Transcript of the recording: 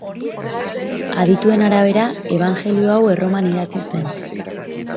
Adituen arabera ebanjelio hau Erroman idatzi zen.